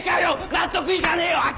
納得いかねーよッ！